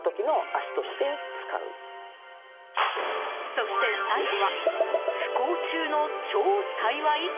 そして、最後は不幸中の超幸い？